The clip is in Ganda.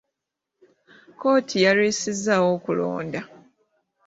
kkooti yalwisizzaawo okulonda.